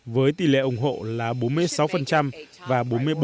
với tỷ lệ ủng hộ là bốn mươi sáu và bốn mươi bốn